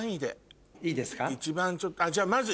じゃあまず。